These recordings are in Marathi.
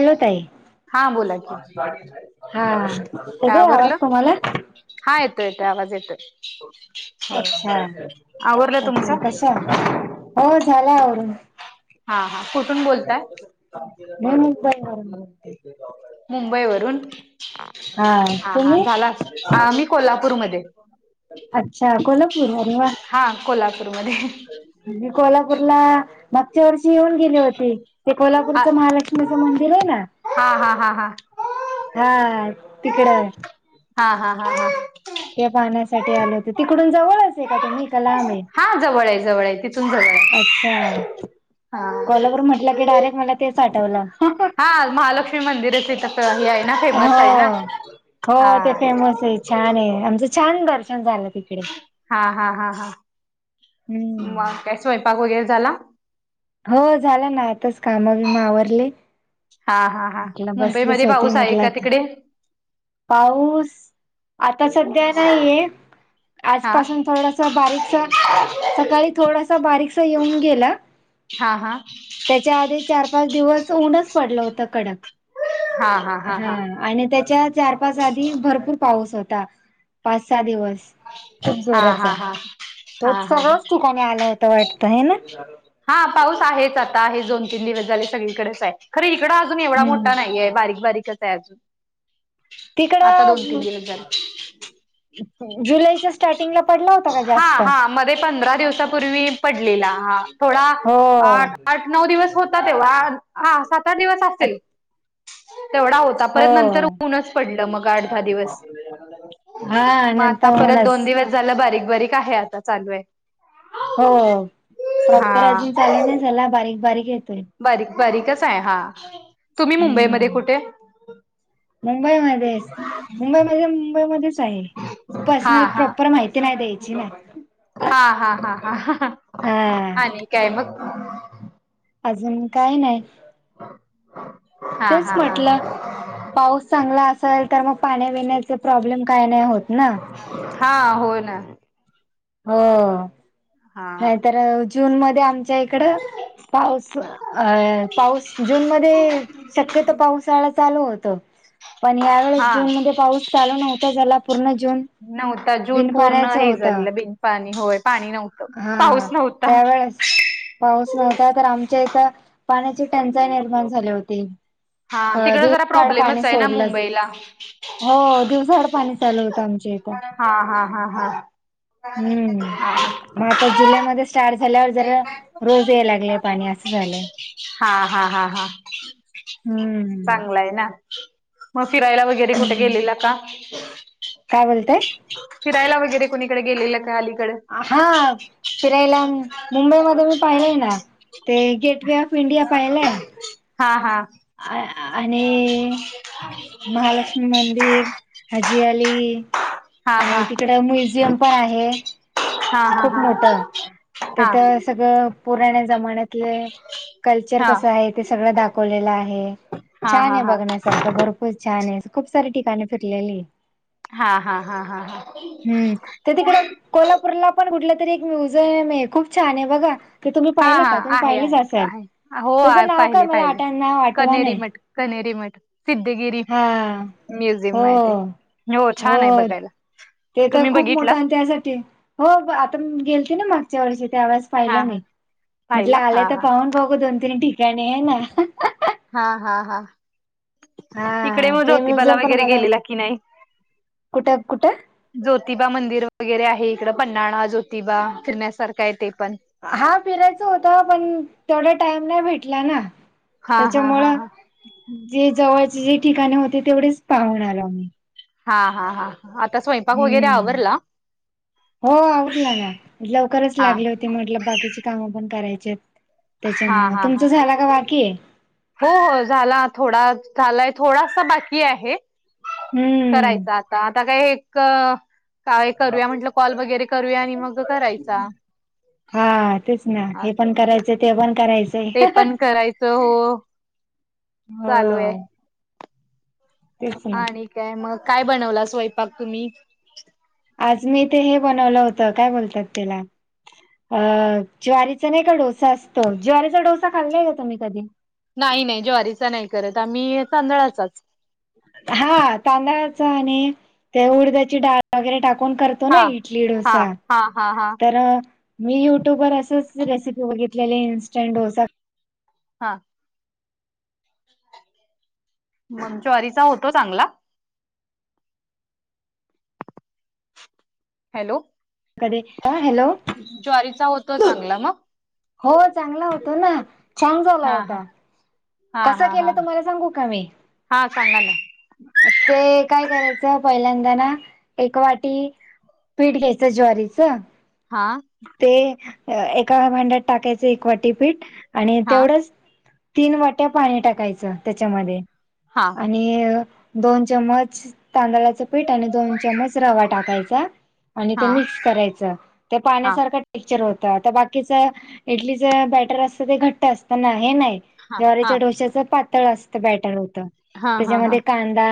हॅलो ताई, हा बोला की हा काय येतोय आवाज आवरलं तुम्हाला. हा येतो, येतो आवाज येतो. अच्छा! आवरलं ओके, तुमचं कशा हो झाल्यावरून. हा हा कुठून बोलतय. [unintelligible] [inaudible] म मुंबई वरून, हा हा झाला [inaudible] आ मी कोल्हापूरमध्ये. अच्छा कोल्हापूर [inaudible] रवा हा कोल्हापूरमध्ये. मी कोल्हापूरला मागच्या वर्षी येऊन गेले होते. ते हा कोल्हापूरचं महालक्ष्मीचं मंदिर आहे ना. हा, हा, हा, हा. हा तिकडे. हा, हा, हा, हा. ते पाहण्यासाठी आले होते. तिकडून जवळच हाये का तुम्ही का लांब ये? हा जवळ आहे जवळ आहे तिथून जवळ आहे अच्छा, हा कोल्हापूर म्हटलं की डायरेक्ट मला तेच आठवलं. हा महालक्ष्मी मंदिरच इथ हे हाय ना? फेमस हाय ना. हो हो हा ते फेमस ये छान हाये. आमचं छान दर्शन झालं तिकडे. हा हा हा हा. मग हम्म काय स्वयंपाक वगैरे झाला? हो झाला ना, आताच काम बीम आवरली. हा हा हा. मुंबईमध्ये होते पाऊस आहे म्हटलं का आता तिकडे? पाऊस, आता सध्या नाहीये. हा आजपासून थोडासा, बारीकस सकाळी थोडासा बारीकस येऊन गेलं. हा हा. त्याच्या आधी चार पाच दिवस ऊनच पडलं होत कडक. हा आणि त्याच्यात चार पाच आधी भरपूर पाऊस होता, पाच सहा दिवस. त हा हा जोरात हा झाला. तो हा हा हा सर्वच ठिकाणी आला होता वाटत हाय ना. हा पाऊस आहेच आता आहे, दोन तीन दिवस झाले सगळीकडेच आहे. खरं इकडं आजून एवढा हम्म मोठा नाही हाय, बारीक बारीकच आहे अजून. तिकड आता दोन तीन अ दिवस झाले जुलैच्या स्टार्टिंगला पडला होता का हा जास्त हा, मध्ये पंधरा दिवसापूर्वी पडलेला हा. थोडा हो आ आठ नऊ दिवस होता तेव्हा, हा सात आठ दिवस असेल तेवढा हो ता. आता परत नंतर ऊनच पडलं मग आठ दहा दिवस, हा मग आता नंतर परत होऊनच दोन दिवस झालं बारीक बारीक आहे, आता चालू हाय. हो प्रॉपर हा अजून चालू नाही झाला, बारीक बारीक येत बारीक बारीकच हाय हा. तुम्ही हम्म मुंबईमध्ये कुठे? मुंबईमध्येच मुंबईमध्ये मुंबईमध्येच आहे हा पर्सनल हा प्रॉपर माहिती नाही द्यायची ना. हा हा हा हा हा आणि काय मग? अजून काय नाही. हा तेच हा हा म्हटलं. पाऊस चांगला असल तर, मग पाण्या विण्याचे प्रॉब्लेम काय नाही होत ना. हा, होय ना. हो हा नाहीतर जून मध्ये आमच्या इकडं, पाऊस अ पाऊस जून मध्ये शक्यतो पावसाळा चालू होतो. पण यावेेळेस हा जून मध्ये पाऊस चालू नव्हता झाला. पूर्ण जून नव्हता जून बिन पूर्ण पाण्याचा हे होता. झालेलं, बिन पाणी होय पाणी नव्हतं. हा पाऊस नव्हता. त्यावेळेस पाऊस नव्हता तर, आमच्या इथं पाण्याची टंचाई निर्माण झाली होती. हा तिकड जरा दिवसाआड पाणी प्रॉब्लेमच हाय ना सोडलंच मुंबईला. हो दिवसाआड पाणी चालू होतं आमच्या इथं. हा हा हा हा. हा [unintelligible] तर जिल्ह्यामध्येच पाणी असं झालंय [unintelligible] हा हा हा हा. हम्म चांगलं हाय ना. मग फिरायला वगैरे कुठे हम्म गेलेला का? काय बोलतय फिरायला वगैरे कोणीकडे गेलेलं काय अलीकड? आहा फिरायला मुंबईमध्ये मी पाहिले आहे ना, ते गेटवे ऑफ इंडिया हा हा, आय आणि गाडी महालक्ष्मी मंदिर हाजी वाली हा हा आणि तिकडं म्युझियम पण आहे. हा हा खूप हा मोठ हा तेथ सगळं पुराण्या जमान्यातले कल्चर हा कसं आहे. ते सगळं दाखवलेलं आहे. हा छान हा हा आहे, बघण्यासारखं भरपूर छान आहे. खूप सारी ठिकाणी फिरलेली हा हा हा हा हा, हम्म ते तिकडं [unintelligible] कोल्हापूरला पण कुठलं तरी एक म्युझियम आहे. खूप छान आहे बघा. ते तुम्ही हा पाहिलं हा का? तुम्ही आहे पाहिलेच आहे असल. आहे हो त्याच आहे नाव काय पाहिले मला पाहिले आठण नाही आठवं कनेरी नाही. मठ कनेरी मठ सिद्धगिरी हा, म्युझियम हो माहिती आहे. हो छान आहे बघायला. तेथ तुम्ही खूप बघितला मोठा त्यासाठी हो आता मी गेलती ना, मागच्या वर्षी त्यावेळेस हा पाहिला हा मी. म्हटलं पाहिला आलं हा त हा पाहून बघू दोन तीन ठिकाणी आहे ना, हा हा हा, तिकडे हा मग ते ज्योतीबाला म्युझियम पण वगैरे मला गेलेला की नाही? कुठं कुठं ज्योतिबा मंदिर वगैरे आहे इकडं पन्हाळा, ज्योतिबा फिरण्यासारखा आहे ते पण हा फिरायचं होत. पण तेवडा टाइम नाही भेटला ना, हा हा त्याच्यामुळ हा जे जवळचे जे ठिकाणे होते. तेवढेच पाहून आलो आम्ही. हा हा हा, आता स्वयंपाक वगैरे हम्म, आवरला हो आवरलं का? लवकरच हा लागले हो ते म्हटलं बाकीची कामं पण करायचेत. हा त्याच्यामुळ हा हा तुमचं झाला का बाकी हो हो झाला थोडा झालाय. थोडासा बाकी आहे. हम्म, करायचं आता. आता काय एक काय करूया म्हटलं. कॉल वगैरे करूया आणि मग करायचा. हा तेच ना, हे असं पण म्हटलं करायचं ते पण करायचं. ते ह.. पण करायचं हो चालू आहे हो. तेच ना आणि काय मग काय बनवला स्वयंपाक तुम्ही? आज मी ते हे बनवलं होतं. काय बोलतात त्याला? अ ज्वारीचा नाही का डोसा असतो. ज्वारीचा डोसा खाल्लाय का तुम्ही कधी? नाही नाही ज्वारीचा नाही करत. आम्ही तांदळाचाच हा तांदळाचा आणि ते उडद्याची डाळ वगैरे टाकून करत तो ना, हा इडली, हा डोसा हा हा हा तर मी युट्यूब वर असंच रेसिपी बघितलेली इंस्टंट डोसा. हा, मग ज्वारीचा होतो चांगला? हॅलो, कधी अ हॅलो, ज्वारीचा होतो चांगला मग? हो चांगला होतो न, छान झाला हा हा होता. हा कसं हा हा, केलं तुम्हाला सांगू का मी हा सांगा ना, ते काय करायचं? पहिल्यांदा ना, एक वाटी पीठ घ्यायचं ज्वारीचं. हा, ते एका भांड्यात टाकायचं, एक वाटी पीठ आणि हां तेवढंच तीन वाट्या पाणी टाकायचं त्याच्यामध्ये. हा. आणि दोन चम्मच तांदळाचं पीठ आणि दोन चम्मच रवा टाकायचा आणि ते हां मिक्स करायचं. ते हां पाण्यासारखं टेक्चर होत. तर बाकीच इडलीच बॅटर असत ते घट्ट असत ना, हे नाही. हां ज्वारीच्या हां डोश्याच पातळ असत बॅटर होत. हां हां त्याच्यामध्ये हां कांदा,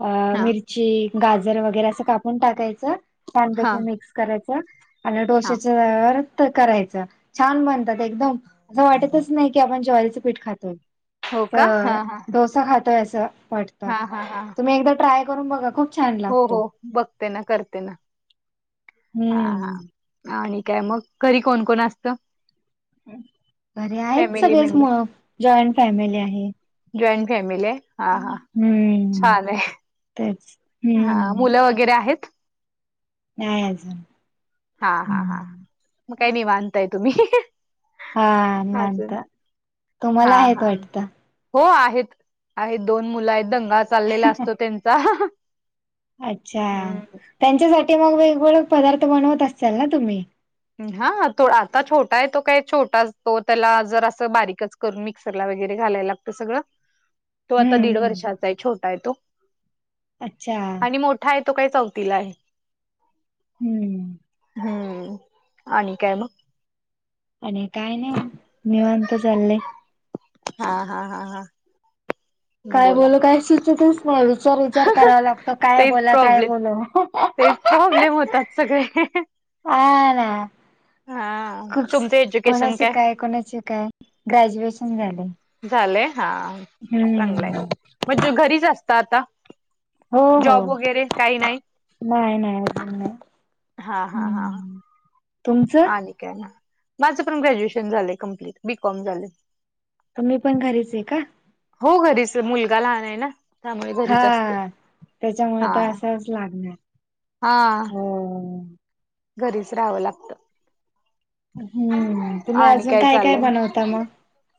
अ हां मिरची, गाजर वगैरे असं कापून टाकायचं. हां छानपैकी मिक्स करायच. आणि हां डोश्याच्या तव्यावर तर करायचं, छान बनतात एकदम. असं वाटतच नाही की आपण ज्वारीचं पीठ खातोय. हो का? तर हां हां डोसा खातोय अस वाटतं. हां हां हां तुम्ही एकदा ट्राय करून बघा. खूप छान हो लागतो. हो. बघते ना, करते ना. हा हम्म. हा. आणि काय मग? घरी कोण कोण असतं? घरे आहेत फॅमिली सगळेच मेंबर म जॉईंट फॅमिली आहे. जॉईंट फॅमिली आहे? हा हा. हम्म. छान आहे, तेच हा. हम्म मुलं वगैरे आहेत? नाय आजून. हा हा हा. मग काय निवांतय तुम्ही. हा निवांत. अजून तुम्हाला हां आहेत हां वाटतं? हो आहेत. आहेत दोन मुलं आहेत. दंगा चाललेला असतो त्यांचा. अच्छा! हम्म त्यांच्यासाठी मग वेगवेगळे पदार्थ बनवत असाल ना तुम्ही? अं हा. आता छोटा आहे तो काय छोटाच तो त्याला जर असं बारीकच करून मिक्सरला वगैरे, घालायला लागतं सगळं. तो आता हम्म दीड हम्म. वर्षाचा आहे छोटा आहे तो. अच्छा आणि मोठ ठा आहे तो काय चौथीला आहे. हं हं. हं. आणि काय मग? आणि काय नाय मग. निवांत चाललंय. हा हा हा हा. काय बोला बोलू काय सुचतच नाय. विचार विचार कराव लागतं काय तेच बोला काय प्रॉब्लेम बोलू? तेच प्रॉब्लेम होतात सगळे. हा ना. हा खूपचं तुमचं एज्युकेशन कोणाशी काय? कोणाशी काय? ग्रॅज्युएशन झालंय. झालंय? हां. हं. म्हणजे घरीच असता आता? हो हो. जॉब वगैरे काही नाही नाय नाय अजून नाय. हा हा हा हा. तुमचं आणि काय म? माझं पण ग्रॅज्युएशन झालंय कंप्लीट, बीकॉम झालंय. तुम्हीपण घरीचंय का? हो घरीचं. मुलगा लहानय ना. त्यामुळे घरीच असते हां त्याच्यामुळं तर असावंच लागणार हां हो घरीच रहावं लागतं हम्म्म तुम्ही आणि अजून काय काय चाललंय बनवता मंग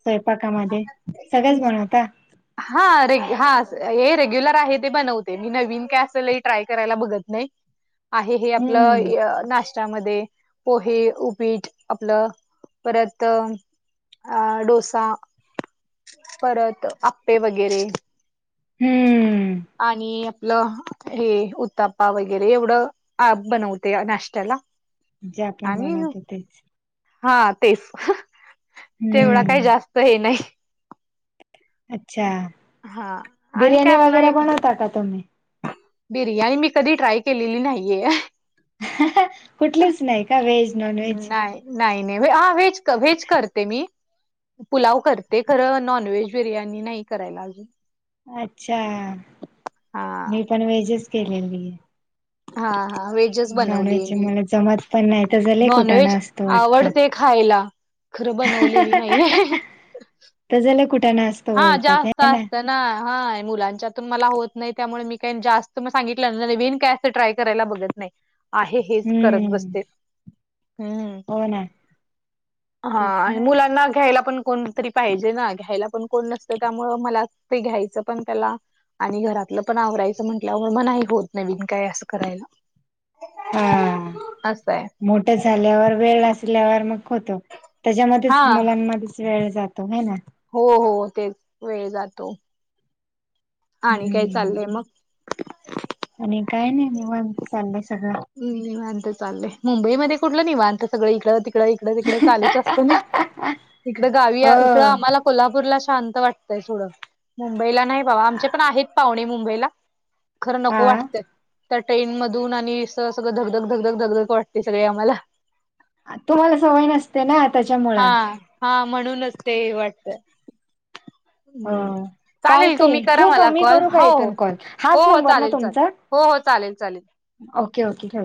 स्वयपाकामध्ये सगळेच बनवता हा रेग -हा हे रेग्युलर आहे ते बनवते. मी नवीन काय अस लई ट्राय करायला बघत नाही. आहे हे हम्म आपलं य-अ नाश्त त्यामध्ये पोहे, उपीट आपलं परत अं डोसा परत आप प्पे वगैरे... हम्म. आणि आपलं हे उताप्पा वगैरे एवढं आप बनवते नाष्ट्याला जे आपण बनवतो तेचं हा तेचं हं तेवढा काय हम्म जास्त हे नाही अच्छा हा आणि काय बिर्याणी आपला वगैरे एक बनवता का तुम्ही बिर्याणी मी कधी ट्राय केलेली नाहीये आहे. हां हां कुठलीच नाही का व्हेज-नॉनव्हेज नाही नाही नाय हा व्हेज-व्हेज करते मी पुलाव करते खरं.. नॉनव्हेज बिर्याणी नाही करायला अजून अच्छा हा मी पण व्हेजचं केलेली आहे हां हां व्हेजच बनवलीय नॉनव्हेजचे मी मला जमत पण नाही त्याचा लय कुटाणा नॉनव्हेज असतो वाटतं. आवडते. खायला खरं बनवलेली नाहीेये हं हं हं त्याजा लई कुटाणा असं हां जास्त असतात. ना हाय मुलांच्यातून मला होत नाही त्यामुळे मी काय जास्त मग सांगितल्यावर नवीन काय असं ट्राय करायला बघत नाय आहे हेच करत हम्म बसते... हम्म्म हो ना हां तेच आणि ना मुलांना घ्यायला पण कोणतरी पाहिजे ना घ्यायला पण कोण नसतं त्यामुळं मला ते घ्यायचं पण त्याला आणि घरातलं पण आवरायचं म्हटल्यावर मग नाही होत नवीन काय असं करायला. हे काय कराल्यास हा तू... असायं मोठं झाल्यावर वेळ असल्यावर मग होतो. तेज्यामध्येच हा मुलांमध्येच वेळ जातो हाय ना हो हो तेज वेळ जातो आणि काय हम्म चालंय मग आणि काय नाई निवांत चालंय सगळं निवांत चालंय मुंबई मध्ये कुठलं निवांत सगळं इकडं तिकड इकड इकडे तिकडे चालूच असते ना इकड गावी हो इकड आम्हाला कोल्हापूरला शांत वाटते. थोडं मुंबईला नाही बाबा आमचे पण आहेत पाहुणे मुंबईला खरं नको हा वाटतंय त्या ट्रेन मधून आणि अस सगळं धगधक धगधक धगधक वाटते सगळे आम्हाला आता तुम्हाला सवय नसते. तेना आताच्या हा हा म्हणूनच ते हे वाटत. हो चालेल तुम्ही चालतय करा ठेवू का मला मी कॉल करू का हो इथून कॉल हो हाच हो हो नंबर ना चालेल चालेल तुमचा हो हो चालेल चालेल ओके ओेके ठेवते.